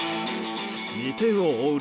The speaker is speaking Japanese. ２点を追う